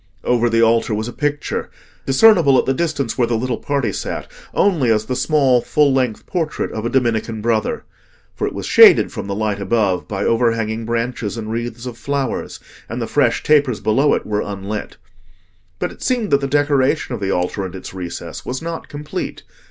Over the altar was a picture, discernible at the distance where the little party sat only as the small full length portrait of a Dominican Brother. For it was shaded from the light above by overhanging branches and wreaths of flowers, and the fresh tapers below it were unlit. But it seemed that the decoration of the altar and its recess was not complete.